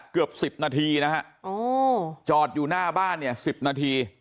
เกือบ๑๐นาทีนะฮะจอดอยู่หน้าบ้านเนี่ย๑๐นาที